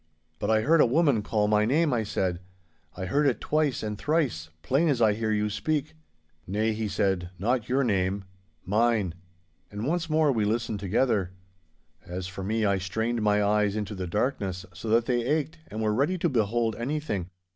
'But I heard a woman call my name!' I said. 'I heard it twice and thrice, plain as I hear you speak!' 'Nay,' he said, 'not your name—mine!' And once more we listened together. As for me, I strained my eyes into the darkness so that they ached and were ready to behold anything.